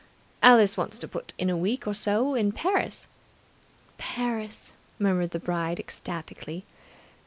Alice wants to put in a week or so in Paris. ..." "Paris!" murmured the bride ecstatically.